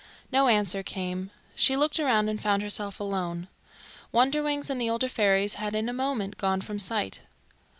No answer came. She looked around, and found herself alone. Wonderwings and the older fairies had in a moment gone from sight.